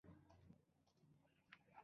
ما ورته وویل چې دا بلاک موږ پخپله تلاشي کړ